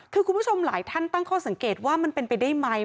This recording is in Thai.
คือคุณผู้ชมหลายท่านตั้งข้อสังเกตว่ามันเป็นไปได้ไหม